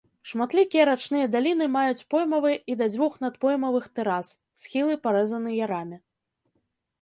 Шматлікія рачныя даліны маюць поймавыя і да дзвюх надпоймавых тэрас, схілы парэзаны ярамі.